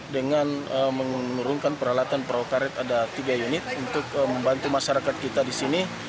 dengan menurunkan peralatan perahu karet ada tiga unit untuk membantu masyarakat kita di sini